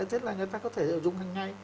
thế là người ta có thể dùng hằng ngày